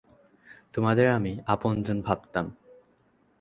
তোমাদের আমি আপনজন ভাবতাম।